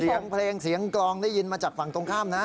เสียงเพลงเสียงกลองได้ยินมาจากฝั่งตรงข้ามนะ